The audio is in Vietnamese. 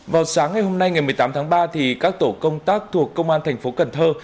vào sáng ngày hôm nay ngày một mươi tám tháng ba các tổ công tác thuộc công an thành phố cần thơ